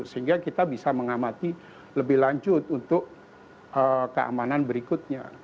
sehingga kita bisa mengamati lebih lanjut untuk keamanan berikutnya